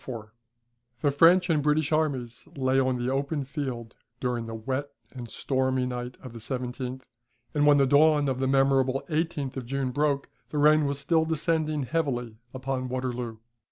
137.] The French and British armies lay on the open field during the wet and stormy night of the 17th; and when the dawn of the memorable 18th of June broke, the rain was still descending heavily upon Waterloo.